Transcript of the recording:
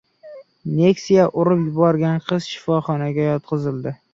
"Nexia" urib yuborgan qiz shifoxonaga yotqizildi